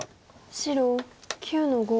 白９の五。